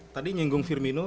tadi nyenggung firmino